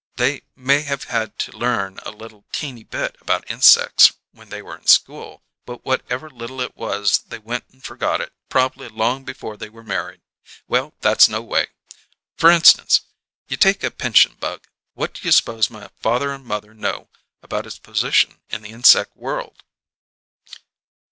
They may have had to learn a little teeny bit about insecks when they were in school, but whatever little it was they went and forgot it proba'ly long before they were married. Well, that's no way. F'r instance, you take a pinchin' bug: What do you suppose my father and mother know about its position in the inseck world?"